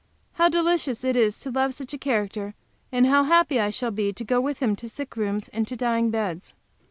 How delicious it is to love such a character, and how happy I shall be to go with him to sick rooms and to dying beds!